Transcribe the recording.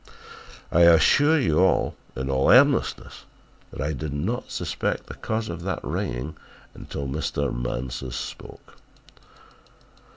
"I assure you all in all earnestness that I did not suspect the cause of that ringing until Mr. Mansus spoke.